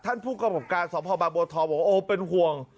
ท่านผู้กระบบการสมภาวบาโบทอบบอกว่าโอ้เป็นห่วง